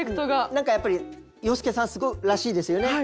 何かやっぱり洋輔さんらしいですよね。